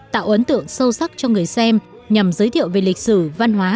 tạo ấn tượng sâu sắc cho người xem nhằm giới thiệu về lịch sử văn hóa